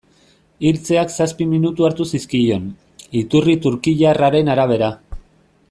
Hiltzeak zazpi minutu hartu zizkion, iturri turkiarraren arabera.